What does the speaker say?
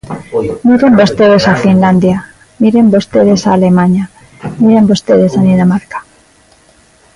Miren vostedes a Finlandia, miren vostedes a Alemaña, miren vostedes a Dinamarca.